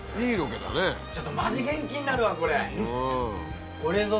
ちょっとマジ元気になるわこれ。